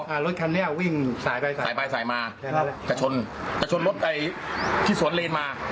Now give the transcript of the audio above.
อ่ารถคันนี้วิ่งสายไปสายไปสายมาจะชนแต่ชนรถไอ้ที่สวนเลนมา